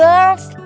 sampai jumpa lagi